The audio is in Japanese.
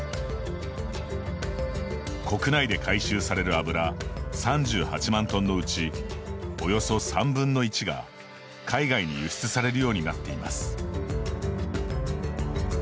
国内で回収される油３８万トンのうちおよそ３分の１が海外に輸出されるようになっています。